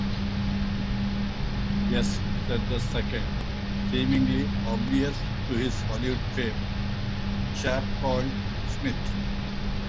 "Yes", said the second, seemingly oblivious to his Hollywood fame, "Chap called Smith.